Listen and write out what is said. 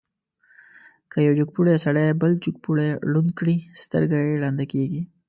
که یو جګپوړی سړی بل جګپوړی ړوند کړي، سترګه یې ړنده کېږي.